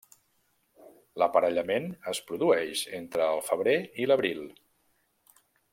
L'aparellament es produeix entre el febrer i l'abril.